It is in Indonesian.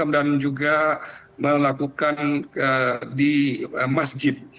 dan juga melakukan di masjid